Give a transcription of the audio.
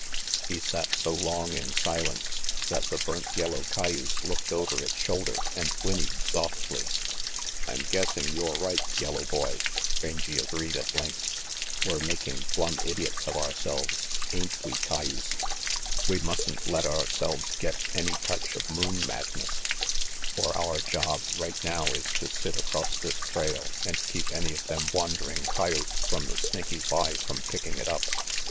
He sat so long in silence that the burnt yellow cayuse looked over its shoulder and whinnied softly. "I'm guessing you're right, yellow boy," Rangy agreed, at length. "We're making plumb idiots of RANGY PETE 247 ourselves, ain't we, cayuse? We mustn't let ourselves get any touch of moon madness, for our job right now is to sit across this trail and keep any of them wandering coyotes from the Snaky Y from picking it up."